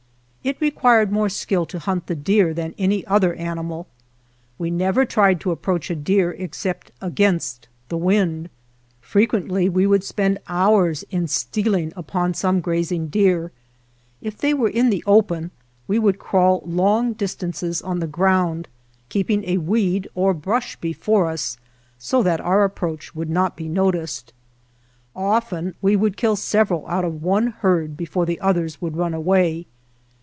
It required more skill to hunt the deer than any other animal. We never tried to approach a deer except against the wind. Frequently we would spend hours in steal ing upon grazing deer. If they were in the open we would crawl long distances on the ground, keeping a weed or brush before us, so that our approach would not be noticed. Often we could kill several out of one herd before the others would run away.